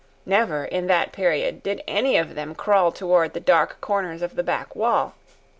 Never, in that period, did any of them crawl toward the dark corners of the back wall.